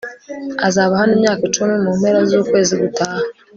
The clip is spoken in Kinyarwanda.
azaba hano imyaka icumi mu mpera zukwezi gutaha